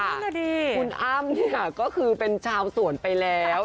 นั่นแหละดิคุณอ้ำเนี่ยก็คือเป็นชาวสวนไปแล้ว